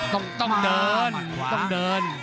ต้องเดินต้องเดิน